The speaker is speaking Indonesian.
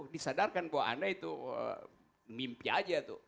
disadarkan bahwa anda itu mimpi aja tuh